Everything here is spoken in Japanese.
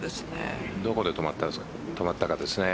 どこで止まったかですね。